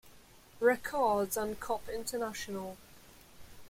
Records and Cop International.